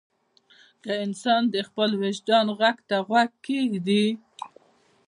که انسان د خپل وجدان غږ ته غوږ کېږدي.